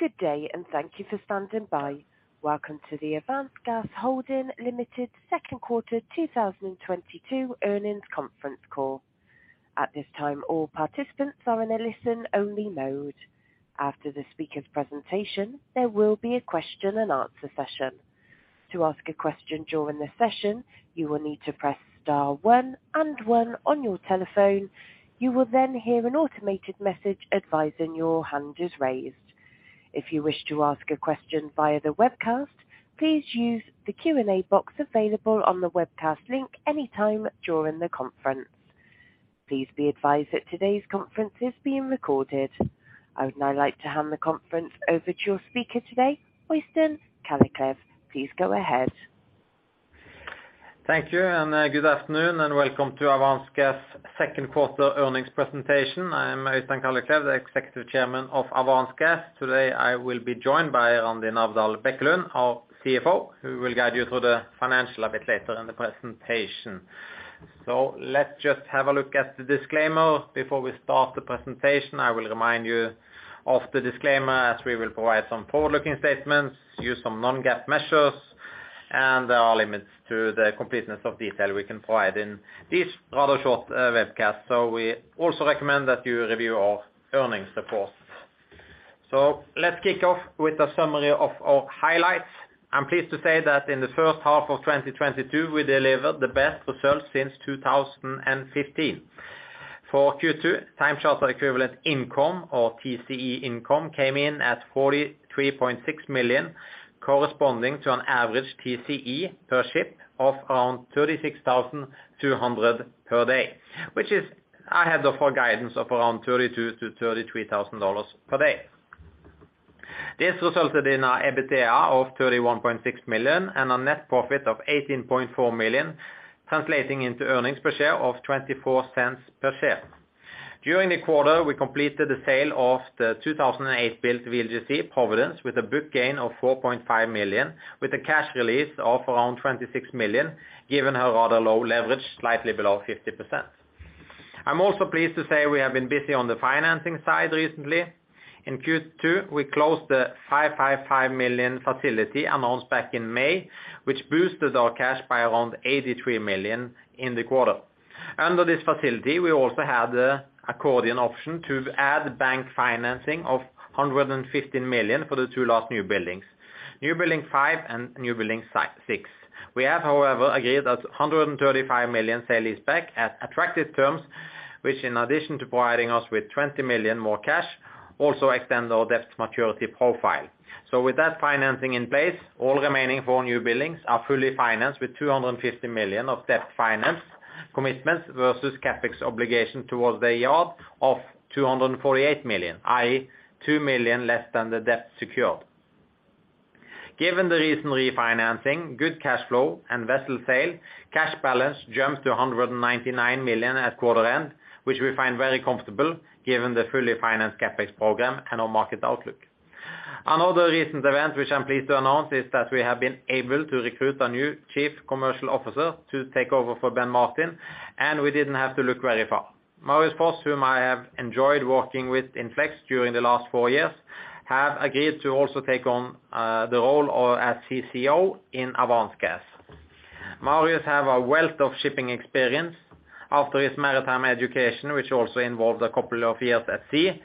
Good day and thank you for standing by. Welcome to the Avance Gas Holding Ltd Q2 2022 earnings conference call. At this time, all participants are in a listen-only mode. After the speaker's presentation, there will be a question and answer session. To ask a question during the session, you will need to press star one and one on your telephone. You will then hear an automated message advising your hand is raised. If you wish to ask a question via the webcast, please use the Q&A box available on the webcast link anytime during the conference. Please be advised that today's conference is being recorded. I would now like to hand the conference over to your speaker today, Øystein Kalleklev. Please go ahead. Thank you and good afternoon and welcome to Avance Gas Q2 earnings presentation. I am Øystein Kalleklev, the Executive Chairman of Avance Gas. Today, I will be joined by Randi Navdal Bekkelund, our CFO, who will guide you through the financial a bit later in the presentation. Let's just have a look at the disclaimer before we start the presentation. I will remind you of the disclaimer as we will provide some forward-looking statements, use some non-GAAP measures, and there are limits to the completeness of detail we can provide in this rather short webcast. We also recommend that you review our earnings report. Let's kick off with a summary of our highlights. I'm pleased to say that in the H1 of 2022, we delivered the best results since 2015. For Q2, time charter equivalent income or TCE income came in at $43.6 million, corresponding to an average TCE per ship of around $36,200 per day, which is ahead of our guidance of around $32,000-$33,000 per day. This resulted in our EBITDA of $31.6 million and our net profit of $18.4 million, translating into earnings per share of $0.24 per share. During the quarter, we completed the sale of the 2008-built VLGC Providence with a book gain of $4.5 million with a cash release of around $26 million, given our rather low leverage, slightly below 50%. I'm also pleased to say we have been busy on the financing side recently. In Q2, we closed the $555 million facility announced back in May, which boosted our cash by around $83 million in the quarter. Under this facility, we also had the accordion option to add bank financing of $115 million for the two last new buildings, new building five and new building six. We have, however, agreed to a $135 million sale and leaseback at attractive terms, which in addition to providing us with $20 million more cash, also extend our debt maturity profile. With that financing in place, all remaining four new buildings are fully financed with $250 million of debt finance commitments versus CapEx obligation towards the yard of $248 million, i.e. $2 million less than the debt secured. Given the recent refinancing, good cash flow and vessel sale, cash balance jumped to $199 million at quarter end, which we find very comfortable given the fully financed CapEx program and our market outlook. Another recent event which I'm pleased to announce is that we have been able to recruit a new chief commercial officer to take over for Ben Martin, and we didn't have to look very far. Marius Foss, whom I have enjoyed working with in Flex during the last four years, have agreed to also take on the role of CCO in Avance Gas. Marius have a wealth of shipping experience after his maritime education, which also involved a couple of years at sea.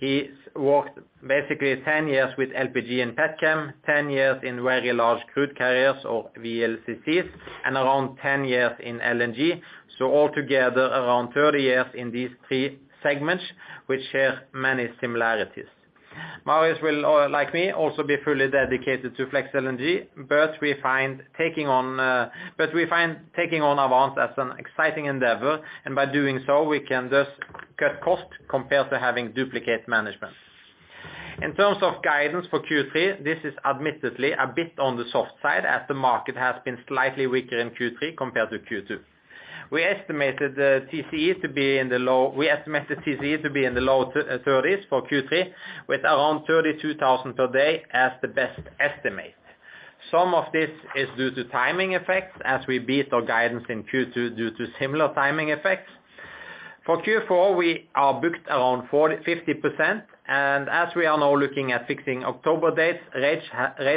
He's worked basically 10 years with LPG and Petchem, 10 years in very large crude carriers or VLCCs, and around 10 years in LNG. Altogether around 30 years in these three segments which share many similarities. Marius will, like me, also be fully dedicated to Flex LNG, but we find taking on Avance as an exciting endeavor and by doing so we can just cut costs compared to having duplicate management. In terms of guidance for Q3, this is admittedly a bit on the soft side as the market has been slightly weaker in Q3 compared to Q2. We estimate the TCE to be in the low thirties for Q3 with around $32,000 per day as the best estimate. Some of this is due to timing effects as we beat our guidance in Q2 due to similar timing effects. For Q4, we are booked around 40%-50% and as we are now looking at fixing October dates, rates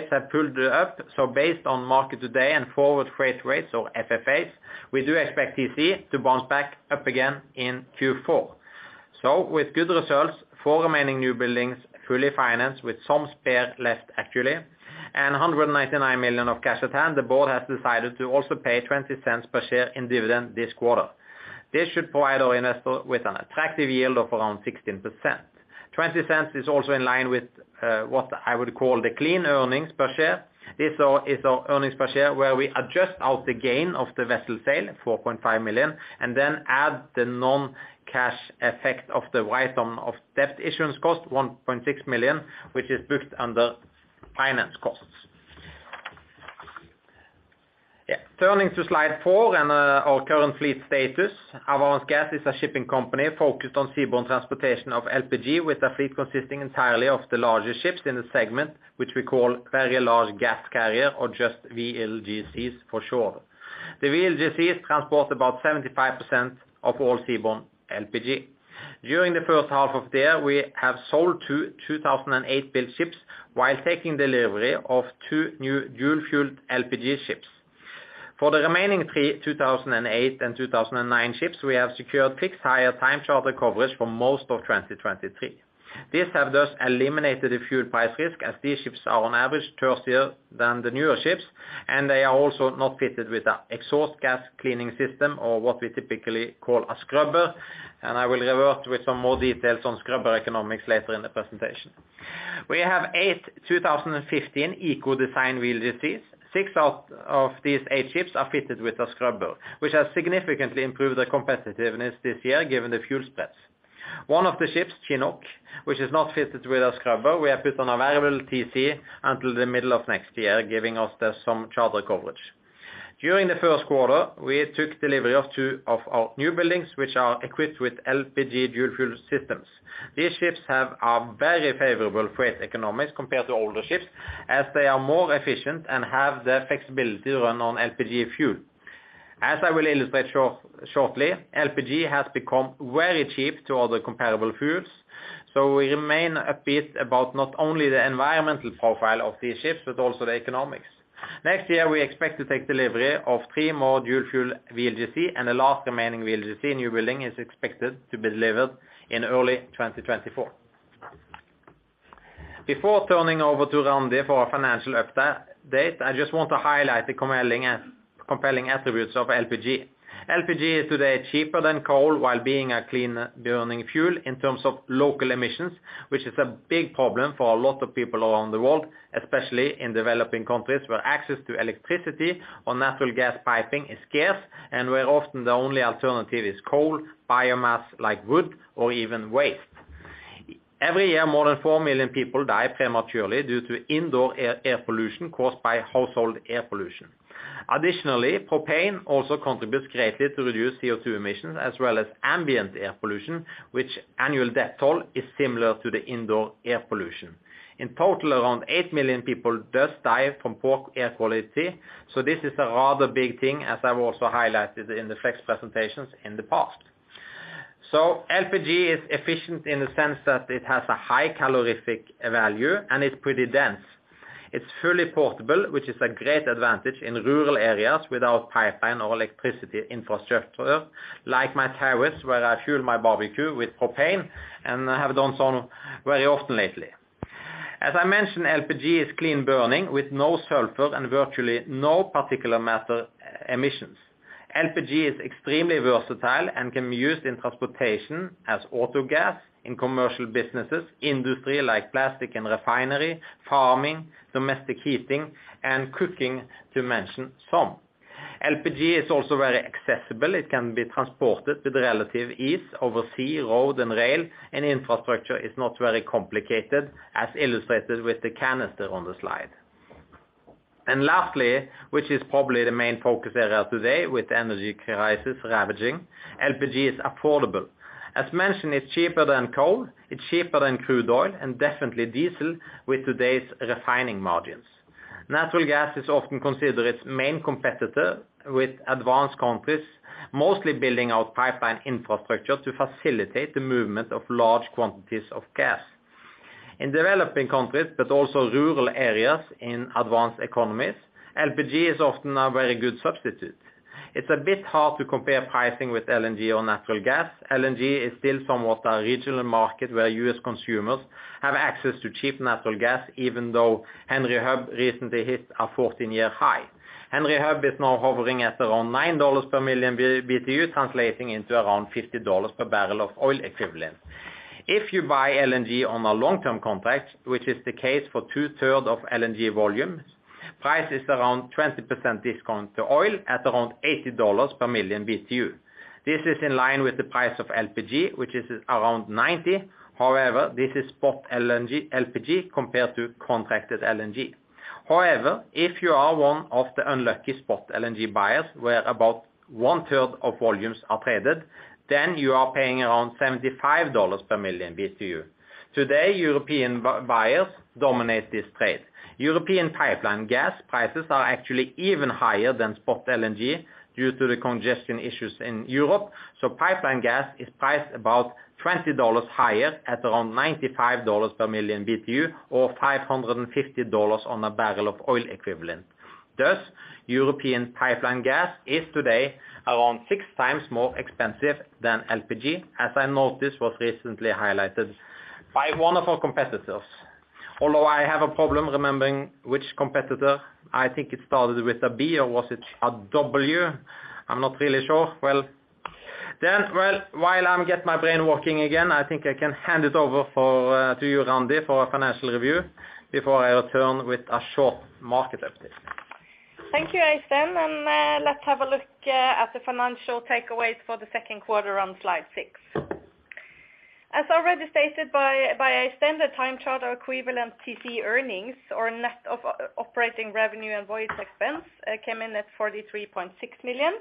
have pulled up. Based on market today and forward freight rates or FFAs, we do expect TCE to bounce back up again in Q4. With good results, four remaining new buildings fully financed with some spare left actually and $199 million of cash at hand, the board has decided to also pay $0.20 per share in dividend this quarter. This should provide our investor with an attractive yield of around 16%. $0.20 is also in line with what I would call the clean earnings per share. is our earnings per share where we adjust out the gain of the vessel sale, $4.5 million, and then add the non-cash effect of the write-off of debt issuance cost, $1.6 million, which is booked under finance costs. Turning to slide four and our current fleet status. Avance Gas is a shipping company focused on seaborne transportation of LPG with a fleet consisting entirely of the larger ships in the segment, which we call very large gas carrier or just VLGCs for short. The VLGCs transport about 75% of all seaborne LPG. During the H1 of the year, we have sold two 2008-built ships while taking delivery of two new dual-fueled LPG ships. For the remaining three 2008 and two 2009 ships, we have secured fixed higher time charter coverage for most of 2023. These have just eliminated the fuel price risk as these ships are on average thirstier than the newer ships, and they are also not fitted with an exhaust gas cleaning system or what we typically call a scrubber. I will revert with some more details on scrubber economics later in the presentation. We have eight 2015 eco design VLGCs. Six out of these eight ships are fitted with a scrubber, which has significantly improved their competitiveness this year given the fuel spreads. One of the ships, Chinook, which is not fitted with a scrubber, we have put on available TC until the middle of next year, giving us some charter coverage. During the Q1, we took delivery of two of our new buildings, which are equipped with LPG dual fuel systems. These ships have a very favorable freight economics compared to older ships as they are more efficient and have the flexibility to run on LPG fuel. As I will illustrate shortly, LPG has become very cheap compared to other comparable fuels, so we remain upbeat about not only the environmental profile of these ships, but also the economics. Next year, we expect to take delivery of three more dual fuel VLGCs, and the last remaining VLGC newbuilding is expected to be delivered in early 2024. Before turning over to Randi for our financial update, I just want to highlight the compelling attributes of LPG. LPG is today cheaper than coal while being a clean burning fuel in terms of local emissions, which is a big problem for a lot of people around the world, especially in developing countries where access to electricity or natural gas piping is scarce and where often the only alternative is coal, biomass like wood or even waste. Every year, more than 4 million people die prematurely due to indoor air pollution caused by household air pollution. Additionally, propane also contributes greatly to reduce CO2 emissions as well as ambient air pollution, which annual death toll is similar to the indoor air pollution. In total, around 8 million people just die from poor air quality, so this is a rather big thing, as I've also highlighted in the Flex presentations in the past. LPG is efficient in the sense that it has a high calorific value and it's pretty dense. It's fully portable, which is a great advantage in rural areas without pipeline or electricity infrastructure, like my terrace, where I fuel my barbecue with propane and I have done so very often lately. As I mentioned, LPG is clean burning with no sulfur and virtually no particulate matter emissions. LPG is extremely versatile and can be used in transportation as auto gas in commercial businesses, industry like plastic and refinery, farming, domestic heating and cooking to mention some. LPG is also very accessible. It can be transported with relative ease over sea, road and rail, and infrastructure is not very complicated as illustrated with the canister on the slide. Lastly, which is probably the main focus area today with energy crisis ravaging, LPG is affordable. As mentioned, it's cheaper than coal, it's cheaper than crude oil and definitely diesel with today's refining margins. Natural gas is often considered its main competitor, with advanced countries mostly building out pipeline infrastructure to facilitate the movement of large quantities of gas. In developing countries, but also rural areas in advanced economies, LPG is often a very good substitute. It's a bit hard to compare pricing with LNG or natural gas. LNG is still somewhat a regional market where U.S. consumers have access to cheap natural gas even though Henry Hub recently hit a 14-year high. Henry Hub is now hovering at around $9 per million BTU, translating into around $50 per barrel of oil equivalent. If you buy LNG on a long-term contract, which is the case for two-thirds of LNG volumes, price is around 20% discount to oil at around $80 per million BTU. This is in line with the price of LPG, which is around $90. However, this is spot LNG, LPG compared to contracted LNG. However, if you are one of the unlucky spot LNG buyers where about one-third of volumes are traded, then you are paying around $75 per million BTU. Today, European buyers dominate this trade. European pipeline gas prices are actually even higher than spot LNG due to the congestion issues in Europe. Pipeline gas is priced about $20 higher at around $95 per million BTU or $550 on a barrel of oil equivalent. Thus, European pipeline gas is today around six times more expensive than LPG, as I know this was recently highlighted by one of our competitors. Although I have a problem remembering which competitor, I think it started with a B or was it a W? I'm not really sure. Well, while I'm getting my brain working again, I think I can hand it over to you, Randi, for a financial review before I return with a short market update. Thank you, Øystein Kalleklev. Let's have a look at the financial takeaways for the Q2 on slide six. As already stated by Øystein Kalleklev, the time charter equivalent TC earnings or net operating revenue and voyage expense came in at $43.6 million,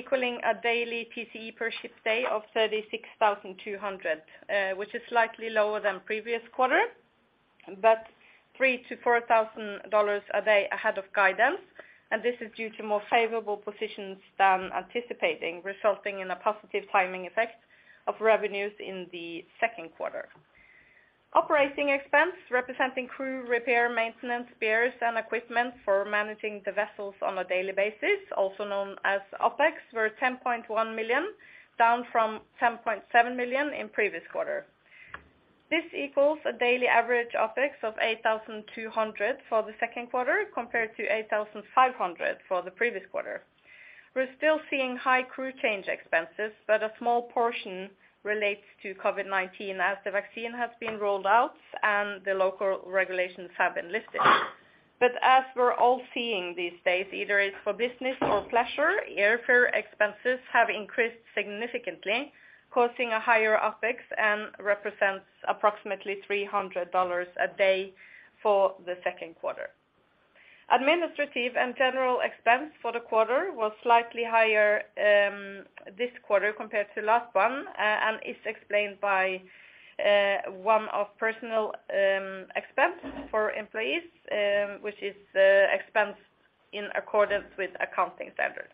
equaling a daily TCE per ship day of $36,200, which is slightly lower than previous quarter. Three to $4,000 a day ahead of guidance, and this is due to more favorable positions than anticipated, resulting in a positive timing effect of revenues in the Q2. Operating expense representing crew, repair, maintenance, spares, and equipment for managing the vessels on a daily basis, also known as OpEx, were $10.1 million, down from $10.7 million in previous quarter. This equals a daily average OpEx of $8,200 for the Q2 compared to $8,500 for the previous quarter. We're still seeing high crew change expenses, but a small portion relates to COVID-19 as the vaccine has been rolled out and the local regulations have been lifted. As we're all seeing these days, either it's for business or pleasure, airfare expenses have increased significantly, causing a higher OpEx and represents approximately $300 a day for the Q2. Administrative and general expense for the quarter was slightly higher, this quarter compared to last one, and is explained by, one-off personal, expense for employees, which is, expense in accordance with accounting standards.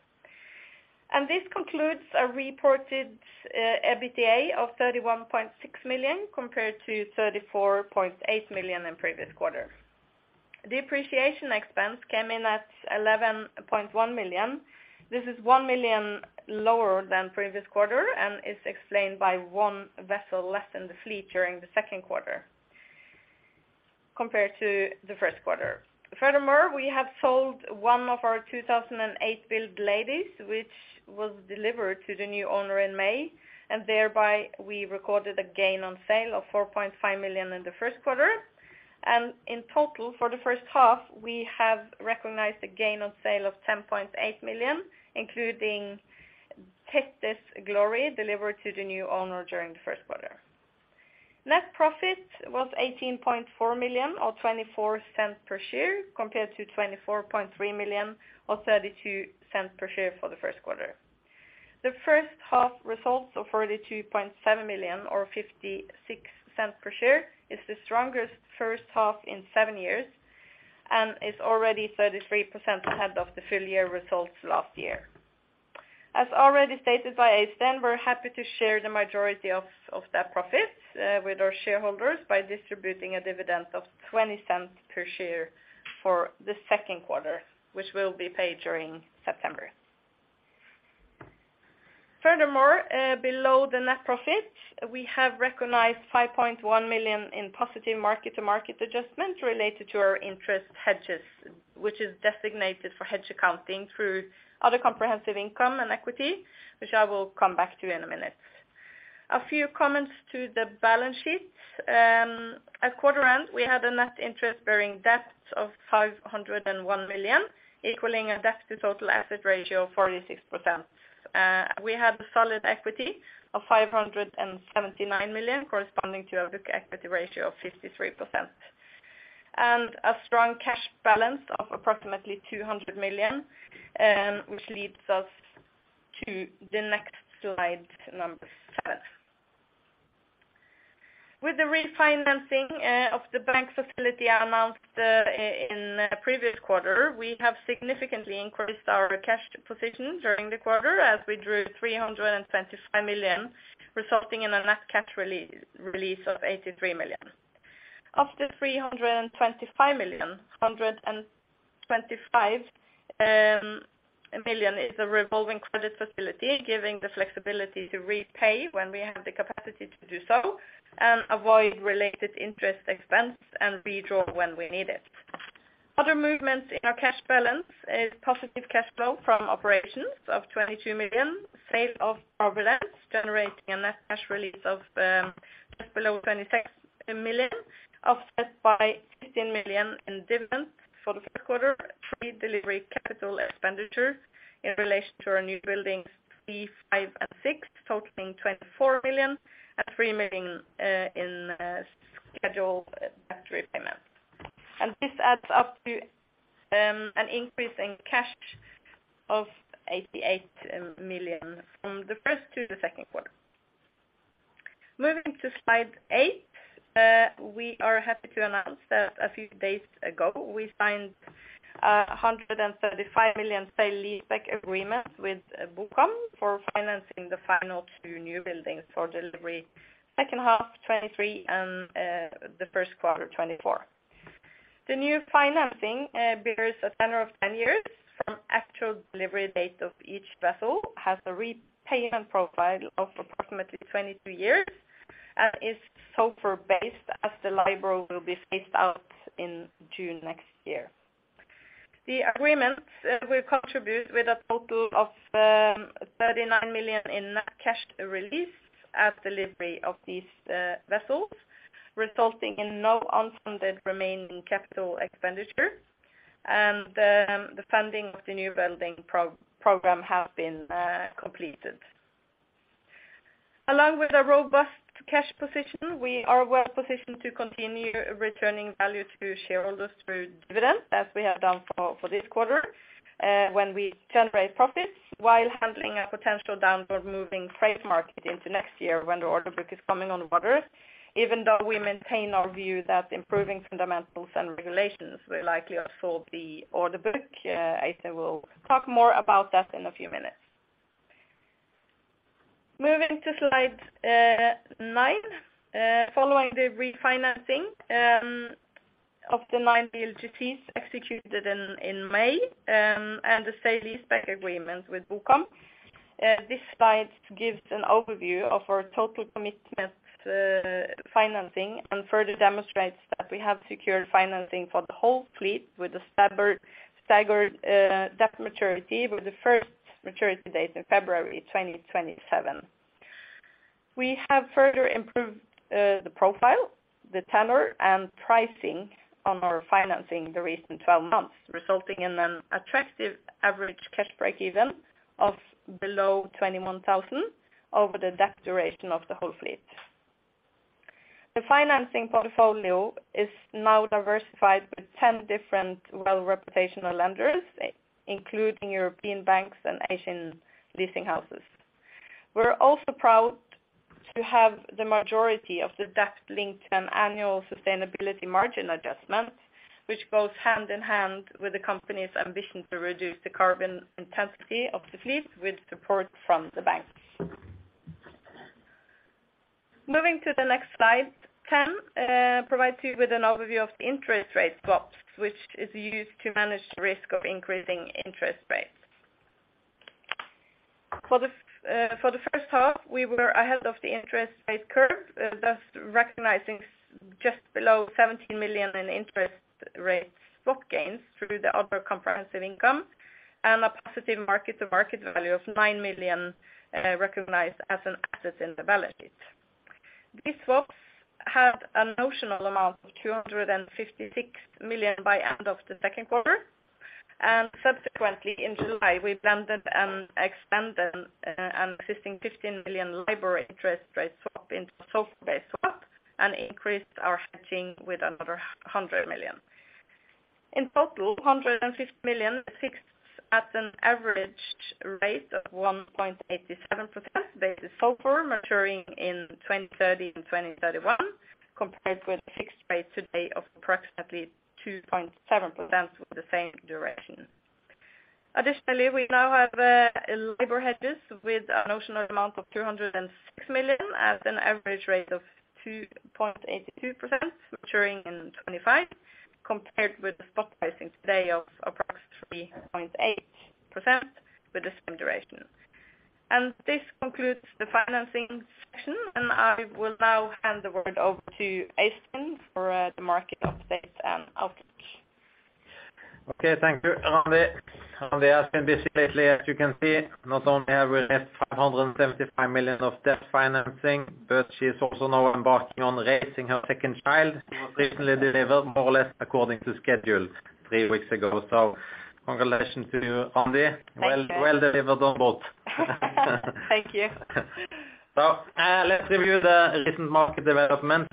This concludes a reported EBITDA of $31.6 million compared to $34.8 million in previous quarter. Depreciation expense came in at $11.1 million. This is $1 million lower than previous quarter and is explained by one vessel less in the fleet during the Q2 compared to the Q1. Furthermore, we have sold one of our 2008-built ladies, which was delivered to the new owner in May, and thereby we recorded a gain on sale of $4.5 million in the Q1. In total, for the H1, we have recognized a gain on sale of $10.8 million, including Thetis Glory delivered to the new owner during the Q1. Net profit was $18.4 million or $0.24 per share, compared to $24.3 million or $0.32 per share for the Q1. The H1 results of $32.7 million or $0.56 per share is the strongest H1 in seven years, and is already 33% ahead of the full year results last year. As already stated by Øystein, we're happy to share the majority of that profit with our shareholders by distributing a dividend of $0.20 per share for the Q2, which will be paid during September. Furthermore, below the net profit, we have recognized $5.1 million in positive mark-to-market adjustment related to our interest hedges, which is designated for hedge accounting through other comprehensive income and equity, which I will come back to in a minute. A few comments to the balance sheet. At quarter end, we had a net interest-bearing debt of $501 million, equaling a debt-to-total asset ratio of 46%. We had a solid equity of $579 million, corresponding to a book equity ratio of 53%. A strong cash balance of approximately $200 million, which leads us to the next slide, number seven. With the refinancing of the bank facility announced in previous quarter, we have significantly increased our cash position during the quarter as we drew $325 million, resulting in a net cash release of $83 million. Of the $325 million, $125 million is a revolving credit facility, giving the flexibility to repay when we have the capacity to do so and avoid related interest expense and redraw when we need it. Other movements in our cash balance is positive cash flow from operations of $22 million, sale of Providence generating a net cash release of just below $26 million, offset by $18 million in dividends for the Q3, pre-delivery capital expenditures in relation to our new buildings 3, 5, and 6, totaling $24 million, and $3 million in scheduled debt repayment. This adds up to an increase in cash of $88 million from the first to the Q2. Moving to slide 8, we are happy to announce that a few days ago, we signed $135 million sale-leaseback agreement with BOCOM Leasing for financing the final two newbuildings for delivery H2 2023 and the Q1 2024. The new financing bears a tenor of 10 years from actual delivery date of each vessel, has a repayment profile of approximately 22 years, and is SOFR-based as the LIBOR will be phased out in June next year. The agreement will contribute with a total of $39 million in net cash release at delivery of these vessels, resulting in no unfunded remaining capital expenditure. The funding of the newbuilding program have been completed. Along with a robust cash position, we are well-positioned to continue returning value to shareholders through dividends as we have done for this quarter when we generate profits while handling a potential downward moving freight market into next year when the order book is coming on board. Even though we maintain our view that improving fundamentals and regulations will likely absorb the order book, Øystein will talk more about that in a few minutes. Moving to slide nine, following the refinancing of the 9 VLGCs executed in May, and the sale lease back agreement with Bocomm. This slide gives an overview of our total commitment, financing and further demonstrates that we have secured financing for the whole fleet with a staggered debt maturity, with the first maturity date in February 2027. We have further improved the profile, the tenor, and pricing on our financing in the recent 12 months, resulting in an attractive average cash break-even of below $21,000 over the debt duration of the whole fleet. The financing portfolio is now diversified with 10 different well-reputed lenders, including European banks and Asian leasing houses. We're also proud to have the majority of the debt linked to an annual sustainability margin adjustment, which goes hand-in-hand with the company's ambition to reduce the carbon intensity of the fleet with support from the bank. Moving to the next slide, 10, provides you with an overview of the interest rate swaps, which is used to manage risk of increasing interest rates. For the H1, we were ahead of the interest rate curve, thus recognizing just below $17 million in interest rate swap gains through the other comprehensive income and a positive mark-to-market value of $9 million, recognized as an asset in the balance sheet. These swaps had a notional amount of $256 million by end of the Q2, and subsequently in July, we blended and expanded an existing $15 million LIBOR interest rate swap into SOFR-based swap and increased our hedging with another 100 million. In total, $250 million fixed at an average rate of 1.87% based on SOFR maturing in 2030 and 2031, compared with a fixed rate today of approximately 2.7% with the same duration. Additionally, we now have a LIBOR hedges with a notional amount of $206 million at an average rate of 2.82% maturing in 2025, compared with the spot pricing today of approximately 3.8% with the same duration. This concludes the financing section, and I will now hand the word over to Øystein for the market update and outlook. Okay. Thank you, Randi. Randi has been busy lately, as you can see, not only have we met $575 million of debt financing, but she is also now embarking on raising her second child, who was recently delivered more or less according to schedule three weeks ago. Congratulations to you, Randi. Thank you. Well, well delivered on both. Thank you. Let's review the recent market development.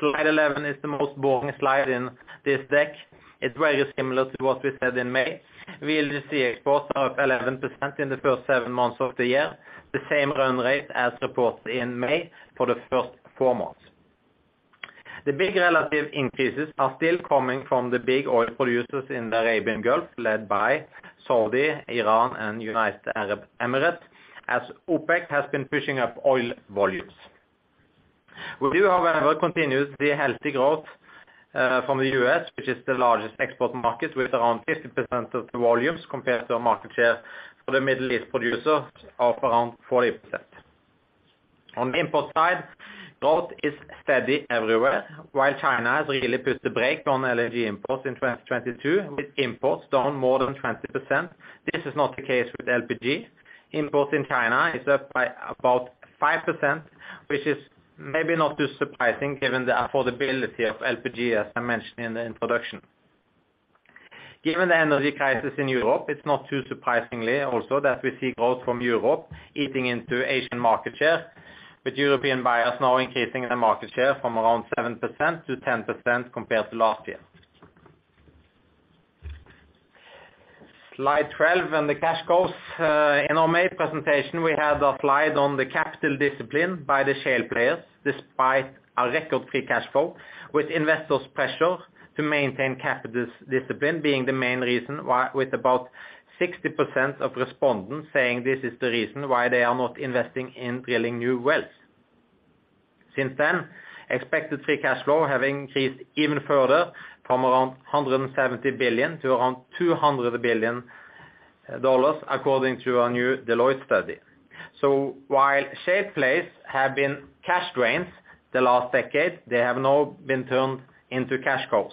Slide 11 is the most boring slide in this deck. It's very similar to what we said in May. We'll just see exports are up 11% in the first 7 months of the year, the same run rate as reported in May for the first 4 months. The big relative increases are still coming from the big oil producers in the Arabian Gulf, led by Saudi, Iran, and United Arab Emirates, as OPEC has been pushing up oil volumes. We do have, however, continued the healthy growth from the U.S., which is the largest export market with around 50% of the volumes compared to our market share for the Middle East producers of around 40%. On the import side, growth is steady everywhere. While China has really put the brake on LNG imports in 2022, with imports down more than 20%, this is not the case with LPG. Imports in China is up by about 5%, which is maybe not too surprising given the affordability of LPG, as I mentioned in the introduction. Given the energy crisis in Europe, it's not too surprisingly also that we see growth from Europe eating into Asian market share, with European buyers now increasing their market share from around 7% to 10% compared to last year. Slide 12 and the cash costs. In our May presentation, we had a slide on the capital discipline by the shale players despite a record free cash flow, with investors' pressure to maintain capital discipline being the main reason why, with about 60% of respondents saying this is the reason why they are not investing in drilling new wells. Since then, expected free cash flow have increased even further from around $170 billion to around $200 billion dollars according to a new Deloitte study. While shale players have been cash drains the last decade, they have now been turned into cash cows.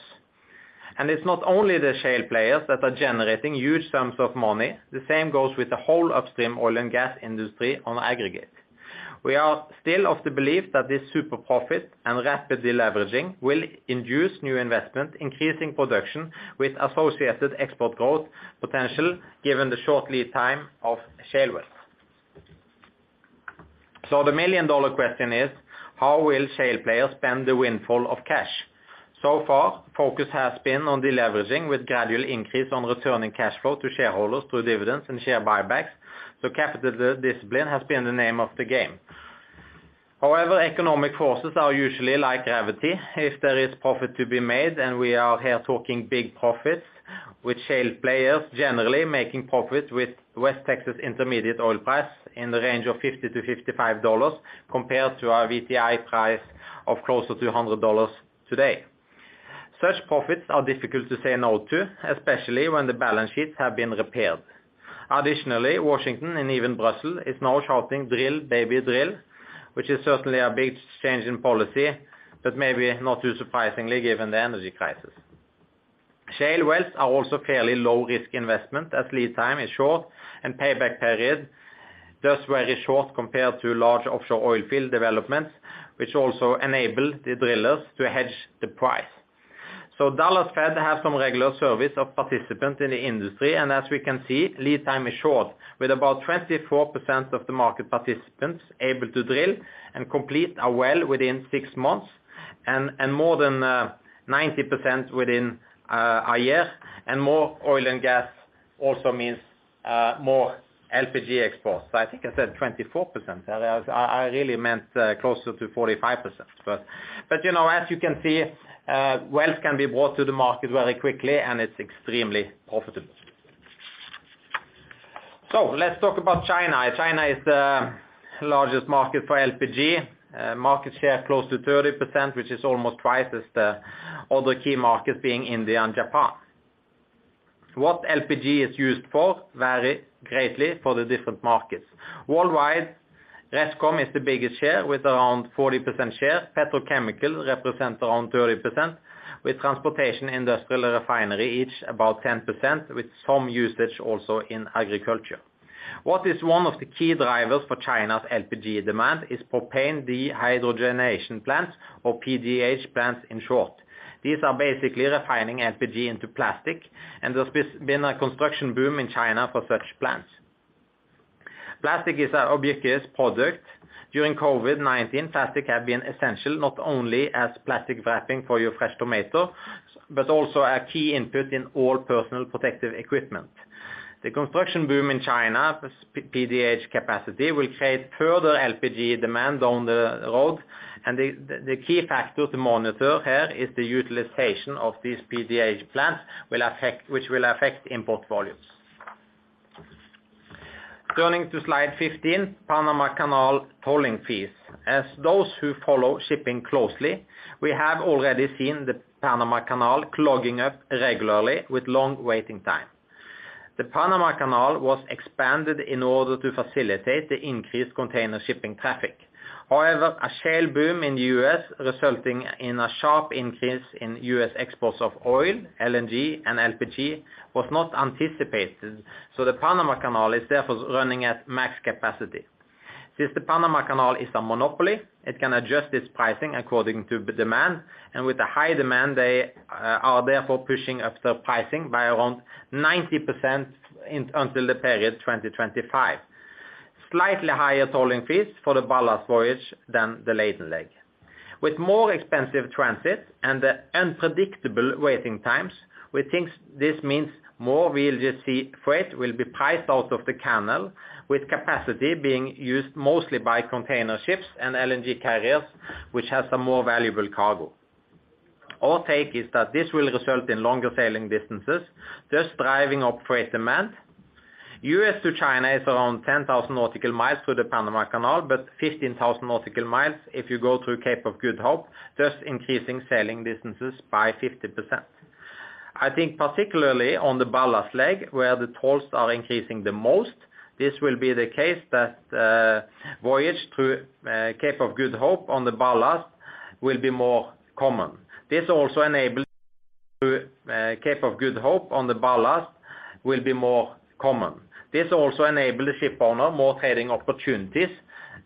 It's not only the shale players that are generating huge sums of money. The same goes with the whole upstream oil and gas industry on aggregate. We are still of the belief that this super profit and rapid deleveraging will induce new investment, increasing production with associated export growth potential given the short lead time of shale oils. The million dollar question is how will shale players spend the windfall of cash? So far, focus has been on deleveraging with gradual increase on returning cash flow to shareholders through dividends and share buybacks. Capital discipline has been the name of the game. However, economic forces are usually like gravity. If there is profit to be made, and we are here talking big profits, with shale players generally making profits with West Texas Intermediate oil price in the range of $50-$55 compared to our WTI price of closer to $100 today. Such profits are difficult to say no to, especially when the balance sheets have been repaired. Additionally, Washington and even Brussels is now shouting, "Drill, baby, drill," which is certainly a big change in policy, but maybe not too surprisingly given the energy crisis. Shale wells are also fairly low risk investment as lead time is short and payback period thus very short compared to large offshore oil field developments, which also enable the drillers to hedge the price. Dallas Fed has some regular survey of participants in the industry, and as we can see, lead time is short, with about 24% of the market participants able to drill and complete a well within six months and more than 90% within a year. More oil and gas also means more LPG exports. I think I said 24%. I really meant closer to 45%. You know, as you can see, wells can be brought to the market very quickly, and it's extremely profitable. Let's talk about China. China is the largest market for LPG, market share close to 30%, which is almost twice as the other key markets being India and Japan. What LPG is used for vary greatly for the different markets. Worldwide, ResCom is the biggest share with around 40% share. Petrochemical represents around 30%, with transportation, industrial, and refinery each about 10%, with some usage also in agriculture. What is one of the key drivers for China's LPG demand is propane dehydrogenation plants, or PDH plants in short. These are basically refining LPG into plastic, and there's been a construction boom in China for such plants. Plastic is our obvious product. During COVID-19, plastic has been essential, not only as plastic wrapping for your fresh tomatoes, but also a key input in all personal protective equipment. The construction boom in China for PDH capacity will create further LPG demand down the road, and the key factor to monitor here is the utilization of these PDH plants, which will affect import volumes. Turning to slide 15, Panama Canal tolling fees. As those who follow shipping closely, we have already seen the Panama Canal clogging up regularly with long waiting time. The Panama Canal was expanded in order to facilitate the increased container shipping traffic. However, a shale boom in the U.S. resulting in a sharp increase in U.S. exports of oil, LNG, and LPG was not anticipated, so the Panama Canal is therefore running at max capacity. Since the Panama Canal is a monopoly, it can adjust its pricing according to demand, and with the high demand, they are therefore pushing up the pricing by around 90% until the period 2025. Slightly higher tolling fees for the ballast voyage than the laden leg. With more expensive transit and the unpredictable waiting times, we think this means more VLGC freight will be priced out of the canal, with capacity being used mostly by container ships and LNG carriers, which has some more valuable cargo. Our take is that this will result in longer sailing distances, thus driving up freight demand. U.S. to China is around 10,000 nautical miles through the Panama Canal, but 15,000 nautical miles if you go through Cape of Good Hope, thus increasing sailing distances by 50%. I think particularly on the ballast leg, where the tolls are increasing the most, this will be the case that voyage through Cape of Good Hope on the ballast will be more common. This also enable the shipowner more trading opportunities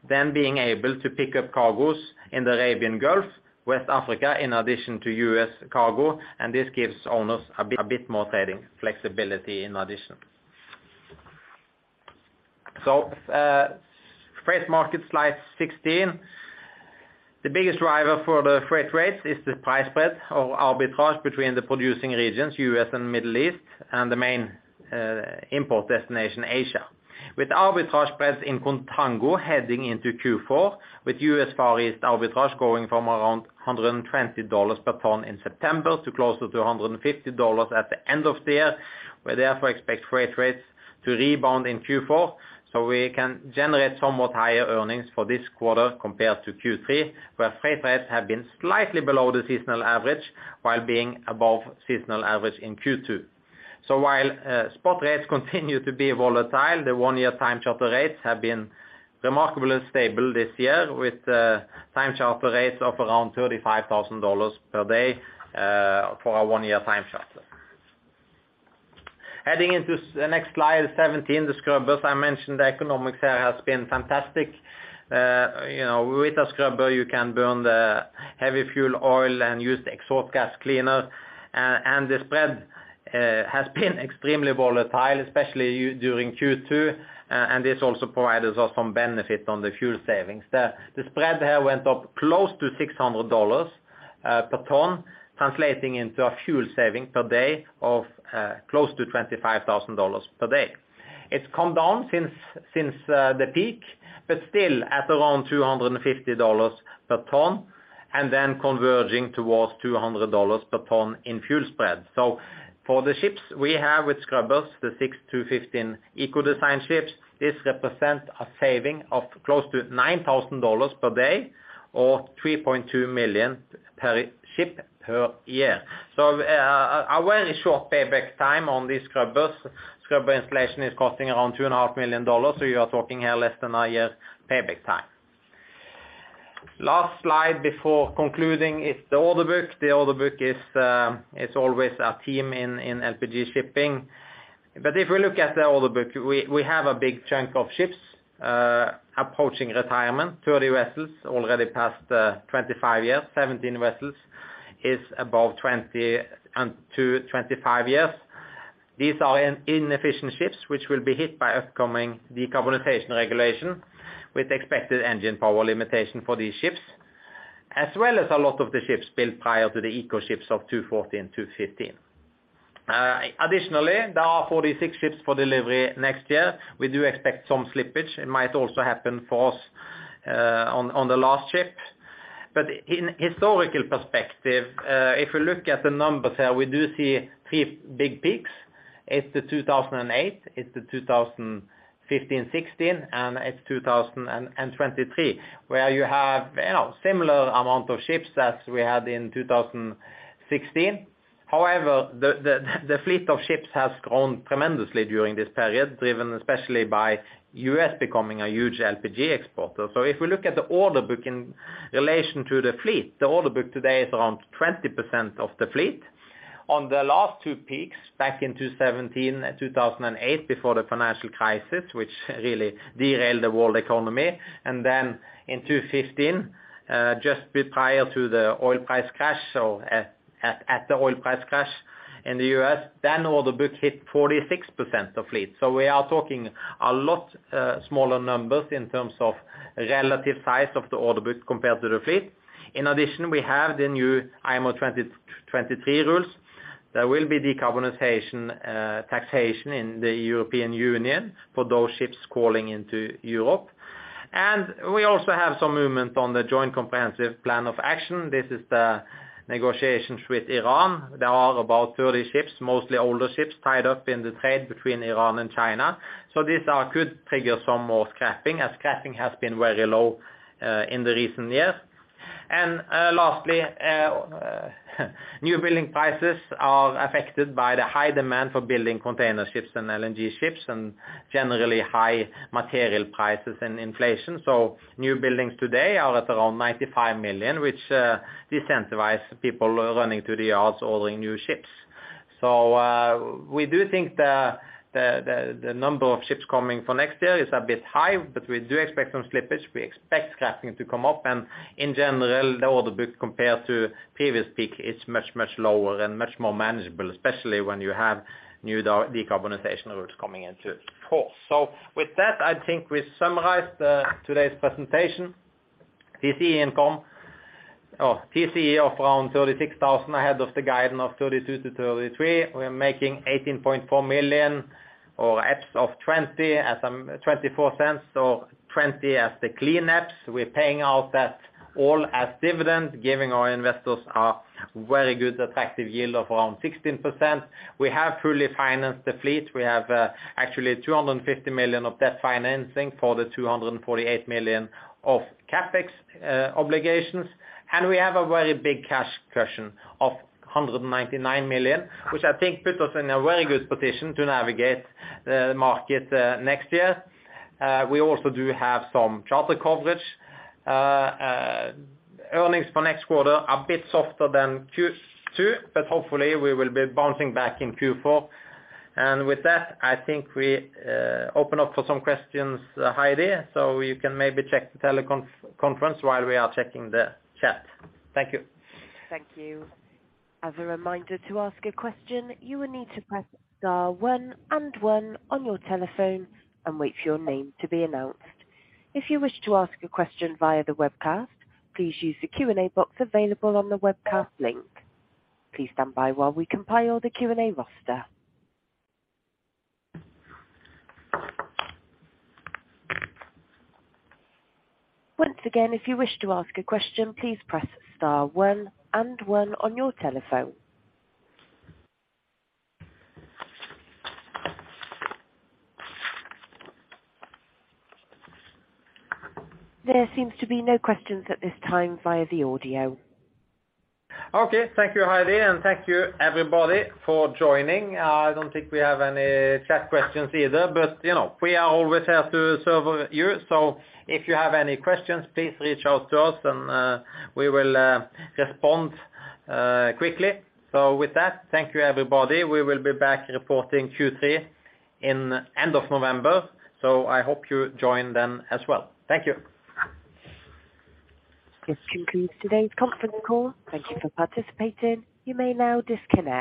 than being able to pick up cargoes in the Arabian Gulf, West Africa, in addition to U.S. cargo, and this gives owners a bit more trading flexibility in addition. Freight market, slide 16. The biggest driver for the freight rates is the price spread or arbitrage between the producing regions, U.S. and Middle East, and the main import destination, Asia. With arbitrage spreads in contango heading into Q4, with US Far East arbitrage going from around $120 per ton in September to closer to $150 at the end of the year. We therefore expect freight rates to rebound in Q4 so we can generate somewhat higher earnings for this quarter compared to Q3, where freight rates have been slightly below the seasonal average while being above seasonal average in Q2. While spot rates continue to be volatile, the one-year time charter rates have been remarkably stable this year with time charter rates of around $35,000 per day for our one-year time charter. Heading into the next slide, 17, the scrubbers. I mentioned the economics here has been fantastic. You know, with a scrubber, you can burn the heavy fuel oil and use exhaust gas cleaner. The spread has been extremely volatile, especially during Q2, and this also provides us some benefit on the fuel savings. The spread here went up close to $600 per ton, translating into a fuel saving per day of close to $25,000 per day. It's come down since the peak, but still at around $250 per ton, and then converging towards $200 per ton in fuel spread. For the ships we have with scrubbers, the 6-15 eco-designed ships, this represents a saving of close to $9,000 per day or $3.2 million per ship per year. A very short payback time on these scrubbers. Scrubber installation is costing around $2.5 million, so you are talking here less than a year payback time. Last slide before concluding is the order book. The order book is always a theme in LPG shipping. If we look at the order book, we have a big chunk of ships approaching retirement. 30 vessels already past 25 years. 17 vessels is above 20 to 25 years. These are inefficient ships which will be hit by upcoming decarbonization regulation with expected engine power limitation for these ships, as well as a lot of the ships built prior to the eco ships of 2014, 2015. Additionally, there are 46 ships for delivery next year. We do expect some slippage. It might also happen for us on the last ship. In historical perspective, if we look at the numbers here, we do see three big peaks. It's 2008, 2015, 2016, and 2023, where you have similar amount of ships as we had in 2016. However, the fleet of ships has grown tremendously during this period, driven especially by U.S. becoming a huge LPG exporter. If we look at the order book in relation to the fleet, the order book today is around 20% of the fleet. On the last two peaks back in 2017, 2008 before the financial crisis, which really derailed the world economy, and then in 2015, just bit prior to the oil price crash, at the oil price crash in the U.S., then order books hit 46% of fleet. We are talking a lot smaller numbers in terms of relative size of the order book compared to the fleet. In addition, we have the new IMO 2023 rules. There will be decarbonization taxation in the European Union for those ships calling into Europe. We also have some movement on the Joint Comprehensive Plan of Action. This is the negotiations with Iran. There are about 30 ships, mostly older ships, tied up in the trade between Iran and China. These could trigger some more scrapping, as scrapping has been very low in the recent years. Lastly, new building prices are affected by the high demand for building container ships and LNG ships and generally high material prices and inflation. New buildings today are at around $95 million, which incentivize people running to the yards ordering new ships. We do think the number of ships coming for next year is a bit high, but we do expect some slippage. We expect scrapping to come up. In general, the order book compared to previous peak is much, much lower and much more manageable, especially when you have new decarbonization routes coming into force. With that, I think we summarized today's presentation. TCE income or TCE of around $36,000 ahead of the guidance of $32,000-$33,000. We are making $18.4 million or EPS of 0.20 at some 0.24. Twenty as the clean EPS. We're paying out that all as dividends, giving our investors a very good attractive yield of around 16%. We have fully financed the fleet. We have actually $250 million of debt financing for the $248 million of CapEx obligations. We have a very big cash cushion of $199 million, which I think put us in a very good position to navigate the market next year. We also do have some charter coverage. Earnings for next quarter are a bit softer than Q2, but hopefully we will be bouncing back in Q4. With that, I think we open up for some questions, Heidi. You can maybe check the teleconference while we are checking the chat. Thank you. Thank you. As a reminder, to ask a question, you will need to press star one and one on your telephone and wait for your name to be announced. If you wish to ask a question via the webcast, please use the Q&A box available on the webcast link. Please stand by while we compile the Q&A roster. Once again, if you wish to ask a question, please press star one and one on your telephone. There seems to be no questions at this time via the audio. Okay. Thank you, Heidi, and thank you everybody for joining. I don't think we have any chat questions either, but you know, we are always here to serve you. If you have any questions, please reach out to us and we will respond quickly. With that, thank you, everybody. We will be back reporting Q3 in end of November, so I hope you join then as well. Thank you. This concludes today's conference call. Thank you for participating. You may now disconnect.